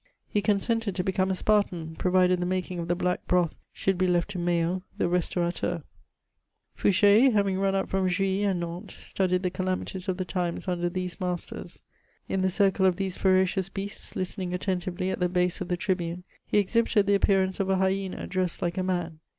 He consented to become a Spartan, provided the m«,king of the black broth should be left to Meet die restaurateur, Fouche, having run up from Juilly and Nantes, studied the calamitiefi of the times under these masters; in the circle of these ferocious beasts, listening attentively at the base of the tribuxie, he exhibited the a^^^earaaoe of a hyena dressed like a man.